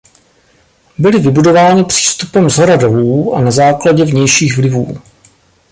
Byly vybudovány přístupem shora dolů a na základě vnějších vlivů.